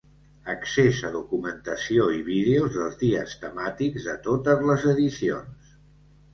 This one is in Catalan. Accés a documentació i vídeos dels dies temàtics de totes les edicions.